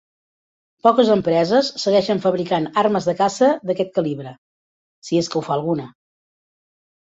Poques empreses segueixen fabricant armes de caça d'aquest calibre, si és que ho fa alguna.